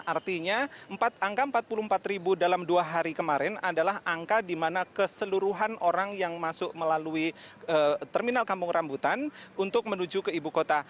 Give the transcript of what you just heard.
artinya angka empat puluh empat ribu dalam dua hari kemarin adalah angka di mana keseluruhan orang yang masuk melalui terminal kampung rambutan untuk menuju ke ibu kota